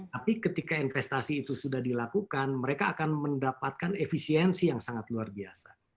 tapi ketika investasi itu sudah dilakukan mereka akan mendapatkan efisiensi yang sangat luar biasa